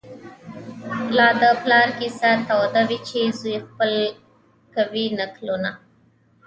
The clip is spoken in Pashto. لا د پلار کیسه توده وي چي زوی خپل کوي نکلونه